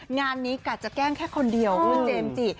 งานนี้กะจะแกล้งแค่คนเดียวคุณเจมส์จิ